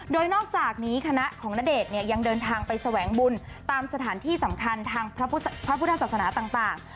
โดยนอกจากนี้คณะของณเดชน์เนี่ยยังเดินทางไปแสวงบุญตามสถานที่สำคัญทางพระพุทธศาสนาต่าง